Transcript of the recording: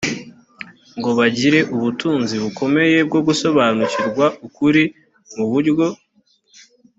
ngo bagire ubutunzi bukomeye bwo gusobanukirwa ukuri mu buryo